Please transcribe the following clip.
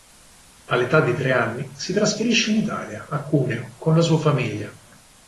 All'età di tre anni si trasferisce in Italia, a Cuneo, con la sua famiglia.